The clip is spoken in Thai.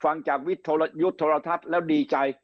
ฟังจากวิทยุทธรทัพแล้วดีใจ